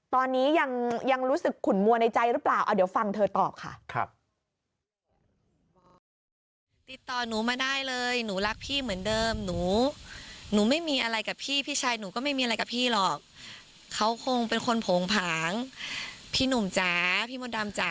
ตอนนี้ยังรู้สึกขุ่นมัวในใจหรือเปล่า